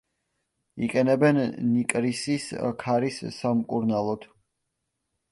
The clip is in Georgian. იყენებენ ნიკრისის ქარის სამკურნალოდ.